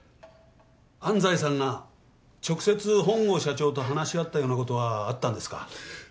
安西さんが直接本郷社長と話し合ったようなことはあったんですか？